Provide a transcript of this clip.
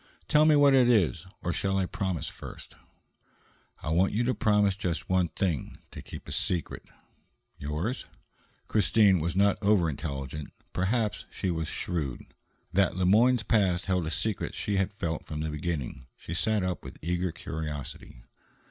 "Tell me what it is, or shall I promise first?" "I want you to promise just one thing: to keep a secret." "Yours?" Christine was not over intelligent, perhaps, but she was shrewd. That Le Moyne's past held a secret she had felt from the beginning. She sat up with eager curiosity.